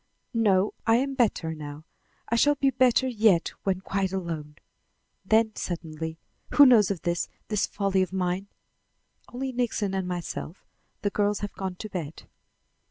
"No. I am better now. I shall be better yet when quite alone." Then suddenly: "Who knows of this this folly of mine?" "Only Nixon and myself. The girls have gone to bed."